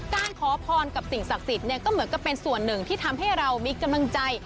การขอพรกับสิ่งศักดิ์สิทธิ์เนี่ยก็เหมือนกับเป็นส่วนหนึ่งที่ทำให้เรามีกำลังใจ